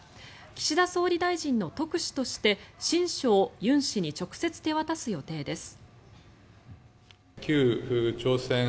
岸田総理大臣の特使として親書を尹氏に直接手渡す予定です。